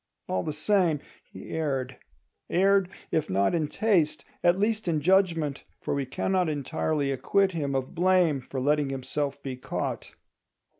All the same, he erred; erred, if not in taste, at least in judgment: for we cannot entirely acquit him of blame for letting himself be caught.